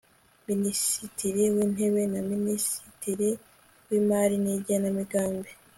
minisitiri w intebe na minisitiri w imari nigena migambi